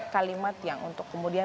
kalimat yang untuk kemudian